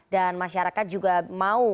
dan masyarakat juga mau